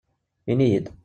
Ini-yi-d.